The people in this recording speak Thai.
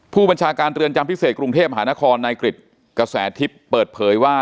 ผู้บัญชาการเรือนจำพิเศษกรุงเทพมหานครนายกริจกระแสทิพย์เปิดเผยว่า